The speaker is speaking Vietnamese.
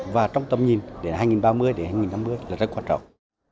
và trong tầm nhìn đến hai nghìn ba mươi đến hai nghìn năm mươi là rất quan trọng